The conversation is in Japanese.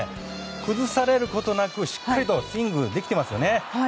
崩されることなく、しっかりスイングできていますよね。